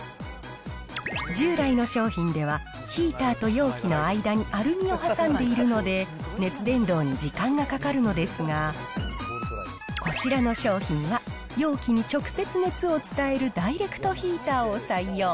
従来の商品では、ヒーターと容器の間にアルミを挟んでいるので、熱伝導に時間がかかるのですが、こちらの商品は、容器に直接、熱を伝えるダイレクトヒーターを採用。